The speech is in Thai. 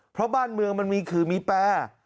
เพราะบ้านเมืองมันมีขื่อมีแปร